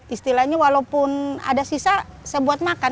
istilahnya walaupun ada sisa saya buat makan